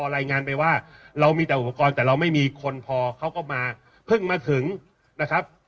รายงานไปว่าเรามีแต่อุปกรณ์แต่เราไม่มีคนพอเขาก็มาเพิ่งมาถึงนะครับ